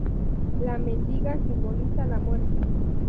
La "Mendiga": Simboliza la muerte.